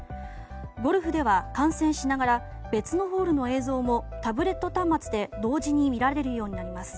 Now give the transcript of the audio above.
ゴルフでは観戦しながら別のホールの映像もタブレット端末で同時に見られるようになります。